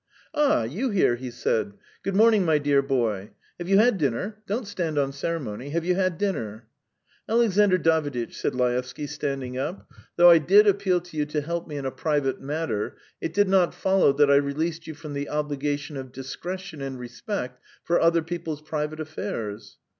"Ah, you here?" he said. "Good morning, my dear boy. Have you had dinner? Don't stand on ceremony. Have you had dinner?" "Alexandr Daviditch," said Laevsky, standing up, "though I did appeal to you to help me in a private matter, it did not follow that I released you from the obligation of discretion and respect for other people's private affairs."